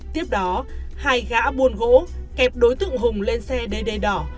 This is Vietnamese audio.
tiếp đó hai gã buồn gỗ kẹp đối tượng hùng lên xe đê đê đỏ